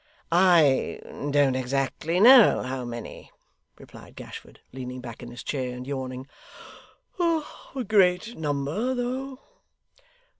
'I don't exactly know how many,' replied Gashford, leaning back in his chair and yawning; 'a great number though.